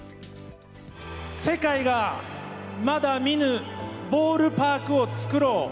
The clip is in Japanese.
世界がまだ見ぬボールパークを作ろう。